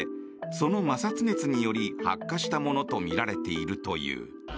その摩擦熱により発火したものとみられているという。